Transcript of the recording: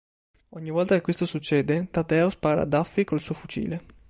Ogni volta che questo succede, Taddeo spara a Daffy col suo fucile.